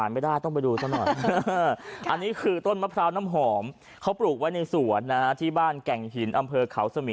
มีหงอนมีอะไรออกมาแบบนี้